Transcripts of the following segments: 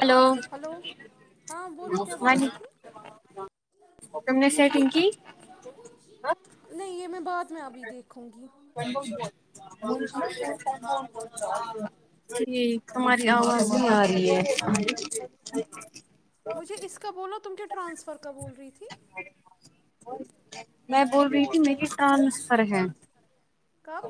hello ہاں بولو کیا بول ہاں جی رہی تھی سم نے سے تمک [unintelligible] نہیں یہ میں بعد میں ابھی دیکھوں گی ٹھیک تماری آواز بھی آ رہی ہے [unintelligible] ہاں [unintelligible] مجھے اس کا بولو تم کے ٹرانسفر کا بول رہی تھی میں [unintelligible] وہ رہیی میری ک نفر ہے [unintelligible] کب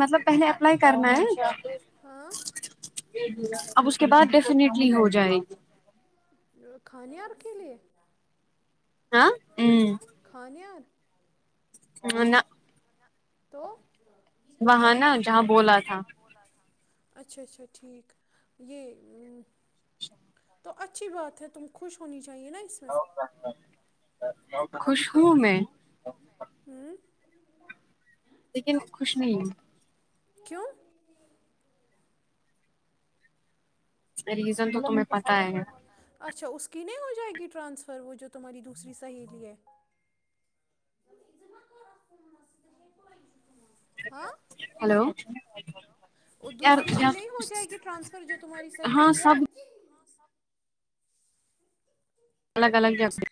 مطلب پہلے اپلائی کرنا ہے ہاں اب اس کے بعد ڈیفینٹلی ہو جائے گی [unintelligible] کھانے اور کے لیے [unintelligible] ہاں ہ [unintelligible] کھانیار انا [unintelligible] تو [unintelligible] وہاں نا جہاں بولا تھا اچھا اچھا ٹھیک یہ تو اچھی بات ہے تم خوش ہونی چاہیے چاہیے نا اس میں خوش ہوں میں [inaudible] ہوں لیکن خوش نہیں کیوں ریزن تو تمہیں پتا ہے [unintelligible] اچھا اس کی نہیں ہو جائے گی ٹرانسفر وہ جو تمہاری دوسری سہیلی ہے ہاں ہلو [inaudible] اور یار دوسری کی نہیں ہو جائے گی ٹرانسفر جو تمہاری ہاں سہیلی ہے سب الگ الگ کیا سے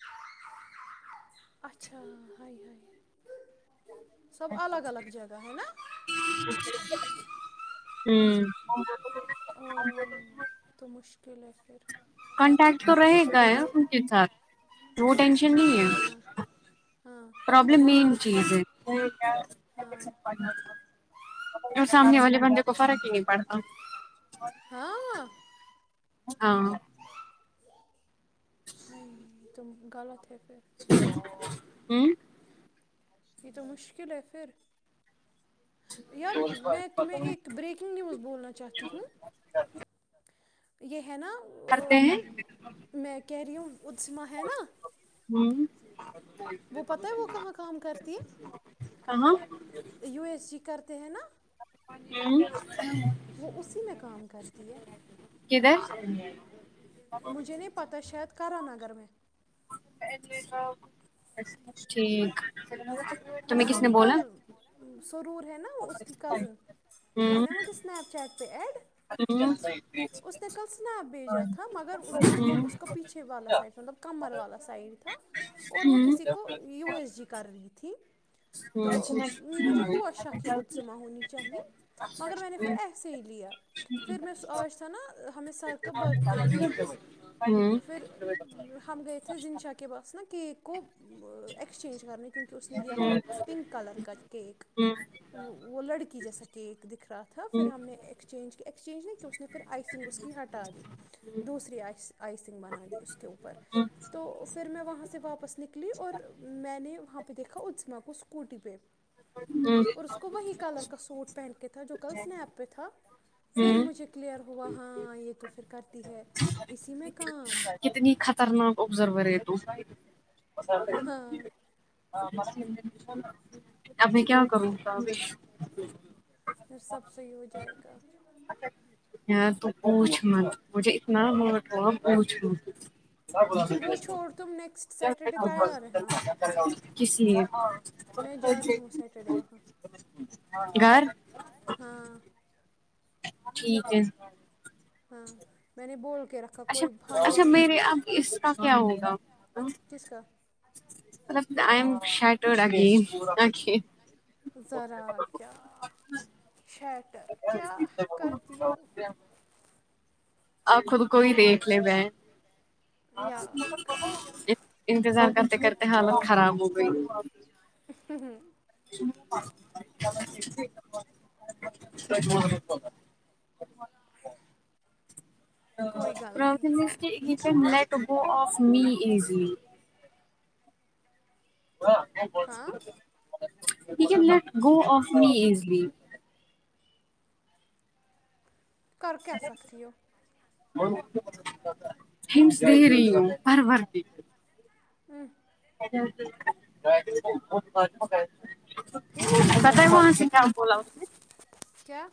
اچھا ہائے ہائے سب الگ الگ جگہ ہے نا ہوں ا تو مشکل پھر کانٹیکٹ تو رہے گا ہے ان کے ساتھ وہ ٹینشن نہیں ہاں ہے ہاں پرابلم مین چیز ہے کیا ہاں اور سامنے والے بندے کو فرق ہی نہیں پڑتا ہاں ہاں ہ تم غلط اٹتھے پھر ہوں یہ تو مشکل ہے پھر یار میں تمہیں ایک بریکنگ نیوز بولنا چاہتی ہوں یہ ہے نا کرتے ا ہیں میں کہہ رہی ہوں ازمہ ہے نا ہوں وہ پتا ہے وہ کہاں کام کرتی کہاں ہے یو ایس جی کرتا د نا ہوں وہ اسی میں کام کرتی ہے کدھر مجھے نہیں پتا شاید کر نہ گرمی اچا ٹھیک ہاں تمہیں میں کس نے بولا کل سرور ہے نا اس کی کزن وہ ہوں نا مجھے سنیپ چیٹ پہ ایڈ ہوں ہوں اس نے کل سنیپ بھیجا تھا مگر ہوں ہوں اس ہوں کا پیچھے والا سائڈ مطلب کمر والا سائڈ تھا اور وہ ہوں کسی کو یو ایس جی کر رہی تھی تو مجھے ہووا شک یہ اتسما ہونی چاہیے مگر میں نے پھر ایسے ہی لیا پھر میں س آج تھا نا ہمیں سر کا برت ڈے پھر ہم گیئے تھے زنشا کے باس نا کیک کو ایکسچینج کرنے کیونکہ اس نے د ہوں ہوں ہوں ہوں پنک کلر کا کیک وہ لڑکی جیسا کیک دکھ رہا تھا پھر ہم نے ایکسچینج ایکسچینج نہیں نے پھر آئسنگ اس کی ہٹا دی دوسری آئسنگ بنا دی اس کے اوپر تو پھر میں وہاں سے واپس نکلی اور میں نے وہاں پہ دیکھا ا کو اسکوٹی پہ اور اس کو وہی کلر کا سوٹ پہن کے تھا جو کل سنیپ پہ تھا پھر مجھے کلیئر ہوا ہاں یہ تو پھر کرتی ہے اسی میں کام کتنی خطرناک آبزرور ہے تو م ہاں ہاں اپنی کیا کرمی س سب صحیح ہو جائے گا کاف تو اونچ مت مجھے اتنا مٹ ہو اونچ مت وہ چھوڑ تم نیکسٹ سیٹرڈے ب تیار رہنا کسی میں جاری ہ سیٹرڈے وہاںاں گار ہاں ٹھیک ہےی ہاں میں نے بول کے رکھا اچھا کوئی بھاند اچھا واند میرے نہیں اب اس کا کیا ہوا ہ کس کا مط آئیم شٹو رکھی آکھی ذرا کیا شیٹر کیایا کرتیو آ خود کوئی دیکھ لے یار کر چپ اننتظار کرتے کرتے حالت خراب ہو گئی کوئی گل نہیں ہے یار گیت تو گو آف می ایزی ہاں کو ہاں پے یک ہے بلا گو آف می ایزلی کر کیا سکتی ہو [inaudible] [inaudible] [inaudible] پھر بتائی کون سے کام بولا اسے کیا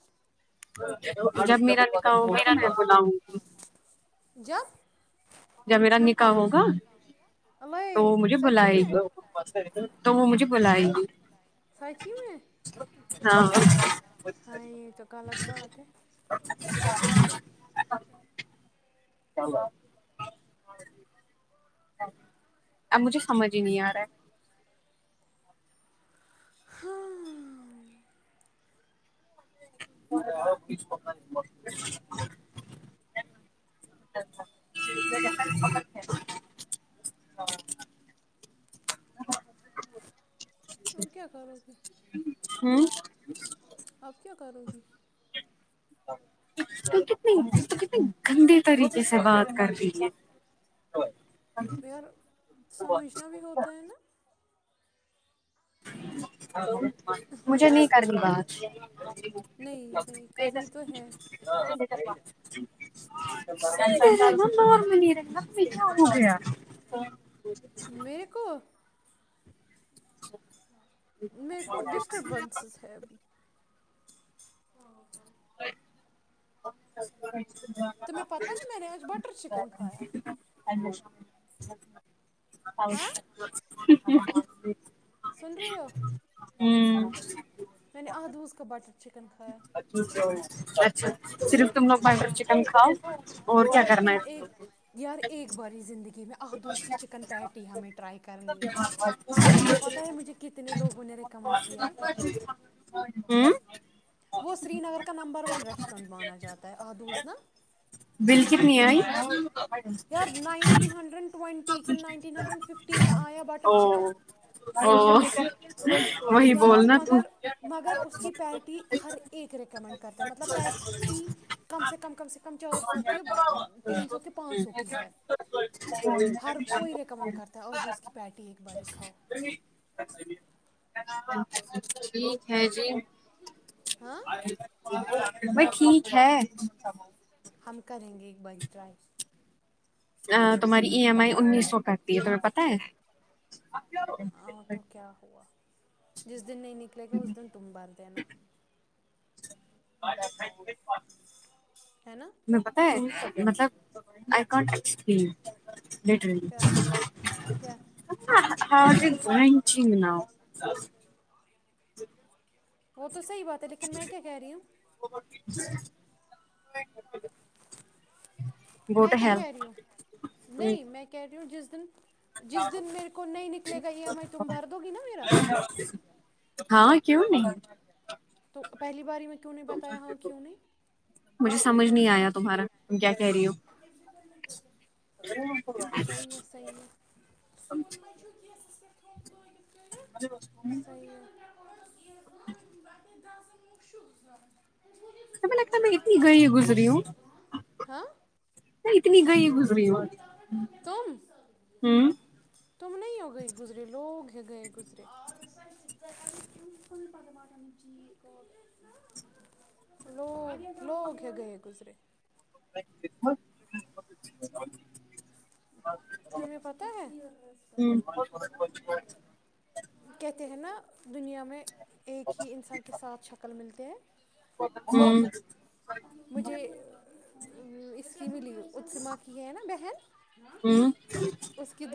[inaudible] جب میرا نکاؤں گا تو میں بلاؤں گی جپ [inaudible] میرا نکاح ہوگا تو الے مجھے سچی بلائی میں تو وہ مجھے بلائے گی سچی میں [inaudible] ہاں ہاں یہ تو کالا دباات ہے [inaudible] [inaudible] چلا اب مجھے سمجھ ہی نہیں آ رہا ہے ہاں [inaudible] [inaudible] اور کیا کیا کر [inaudible] [inaudible] اپ کیا کرو گی [inaudible] تو کتنی تو کتنی گندے طریقے سے بات کر رہی ہے [inaudible] یار سمجھنا بھی ہوتا ہے نا [inaudible] [inaudible] مجھے نہیں کرنی بات [inaudible] نہیں نہیں کرنی تو ہے [inaudible] [inaudible] میرے کو [inaudible] [inaudible] میر کو ڈسٹربنسز ہے ابھی ا ہ [inaudible] اچب [inaudible] تو میں پتہ ہے میں نے آ بٹر چکن کایا [inaudible] [inaudible] ا [unintelligible] ج سن رہے [inaudible] ہو [inaudible] ہوں میں نے آدوز کا بٹر چکن کھایا چ اچھا صرف [inaudible] تم لوگ بٹر ہاں چکن کھاؤ اور کیا کرنا ہے کو ا [unintelligible] ایکک بڑری زندگی مں احدزک چکن پیٹی ہمی ٹرائی کررنی ہے [unintelligible] تو میں پتا ہے مجھے کتنے لگ کو نے ریکمنڈ کیا [unintelligible] ہ وہ سری نگر کا نمبر ون ریسٹورینٹ مانا جاتا ہے آدوز نا [unintelligible] بل کتنی ہےئی [unintelligible] نائنٹین ہنڈرین ٹوئٹی کن نائنٹین ہنڈرینڈ ففٹی ٹی میں [unintelligible] او چکن ہ [unintelligible] وہی یار بولنا تو مگر مگر اس کی پیٹی ہر [unintelligible] ایک ریکمنڈ کرتے مطلب پٹی کم سے کم کم سے کم چار سو کی تین سو کی پانچ سو کی ہے [unintelligible] ہر تو کوئی ریکمینڈ [unintelligible] کرتا اور اس کی پیٹی باری کھاؤ [unintelligible] ٹھیک ہے جی [unintelligible] ہاں [unintelligible] ب ٹھیک ہے [unintelligible] ہم کریں گے ایک باری ٹرائی [unintelligible] ا تمہاری ای ایم آئی انیس سو کرتی ہے تمہیں پت ہے ہ تو کیا ہوا [unintelligible] جس دن نہیں نک لے اس دن تم بھر د ہیںا [unintelligible] ب ہے نا [unintelligible] نہیں پتہ ہے [unintelligible] مطلب ا کن [unintelligible] لیٹر کیا کیا [unintelligible] ہ گنچی مناؤ [unintelligible] وہ [unintelligible] تو صحیح بات ہے لیکن میں کیا کہہ رہی ہوں ا [inaudible] گو میں ٹو کیا ہیل کریوں نہیں میں کروں جس [inaudible] جس دن میرے کو نہیں نکلے گا ای ایم آئی تم بھر دو گی نا میرا ہاں کیوں نہیں تو پہلی باری میںھ کیوں نہیں بتایا ہاں کیوں نہی کچھ سمجھ نہیں ایا تمہارا کہہ رہی ہو سون مہش کہ [inaudible] [inaudible] مے [inaudible] [inaudible] اناز مشق تمہیں لگتا ہے میں اتنا ہی گزری ہوں ہاں اتنی گئی گزری ہو تم ہوں تم نہیں ہو گئے گزرے لوگ لوگ ہیں گئے گزرے [inaudible] تمہیں پتہ ہے ہوں کہتے ہیں نا دنیا میں ایک ہی انسان کے ساتھ شکل ملتی ہے ہوں نا مجھے [inaudible] [inaudible] ہوں کس کے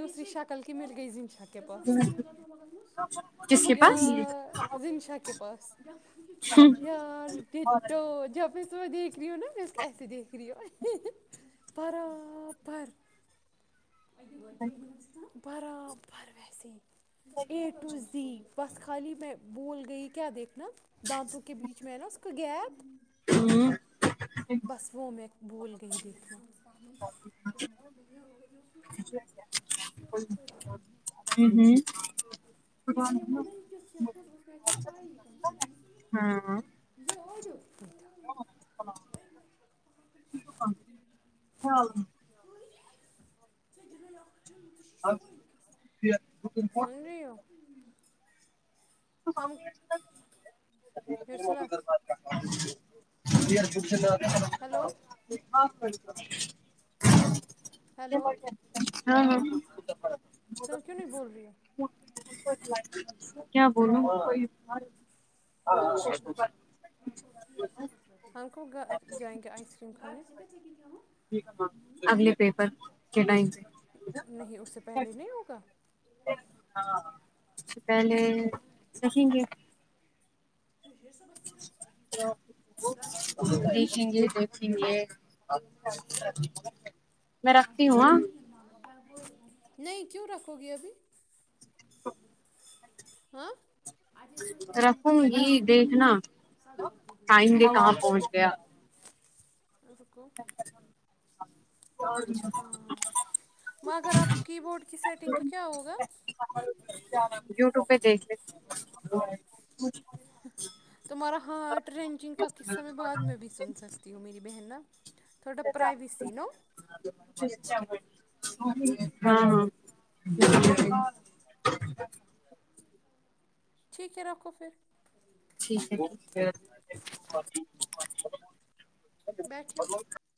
پاس کس کے پاس رمزہ کے پاس یار ڈٹو اسس [inaudible] [inaudible] برپر بے ہندو [inaudible] برابر ویس اے ٹو زی پس خالی میں بول گئی کیا دیکھناا دانتو کے بیچ میں نا اس کو گیپ بس وہ میں بھول گئی دیکھنا ہاں [inaudible] [inaudible] سن [inaudible] [inaudible] ارسلہ م ک ہلو ڑکک ہیلو ہاں ہاں تم کیوں نہیں بول رہی ہو کیا بولو کوئی ہم جائیں گے آئس کریم کھان میں اگل پیپر کٹاائ نہیں اس سے پہلے نہیں ہوگا پہلے سکھیں گے دیکھیں گے دیکھی نہیں ہے ا م پ نہیں کیوں رکھو گی ابھی ہاں ہاں ثآجچ ر رکھوں گی دیکھنا ٹائم بھی کہاں پہنچ گیا کو مگر آپ کی بورڈ کی سیٹنگ کا کیا ہوگا ا یوٹیوب پہ دیکھ تمہارا ہارٹ رینجنگ کا قصہ میں بعد میں بھی سن سکتی ہوں میری بہن نا تھوڑا پرائیویسی نو چچ ب ہاں ہاں ج ہاں [unintelligible] ٹھیک ہے رکھو پھر ٹھیک ہے ٹھیک بیٹھیو [unintelligible]